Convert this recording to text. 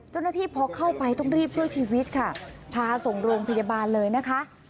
เจ้าหน้าที่พอเข้าไปต้องรีบช่วยชีวิตค่ะพาส่งโรงพยาบาลเลยนะคะ